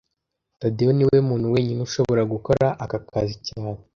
Tadeyo niwe muntu wenyine ushobora gukora aka kazi cyane